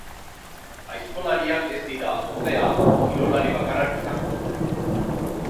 Aizkolariak ez dira, ordea, kirolari bakarrak izango.